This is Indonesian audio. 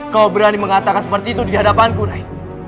kau berani mengatakan seperti itu di hadapanku rai